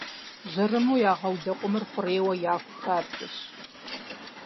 Жьэрымэу ягъэу лэкъумыр хъурейуэ яху хабзэщ.